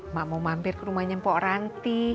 mak mau mampir ke rumahnya mpok ranti